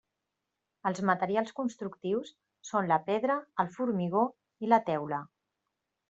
Els materials constructius són la pedra, el formigó i la teula.